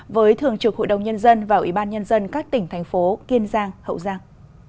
với thường trực hội đồng nhân dân và ủy ban nhân dân các tỉnh thành phố kiên giang hậu giang